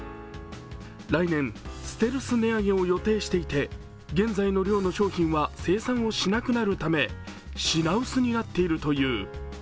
来年、ステルス値上げを予定していて現在の量の製品は生産をしなくなるため品薄になっているという。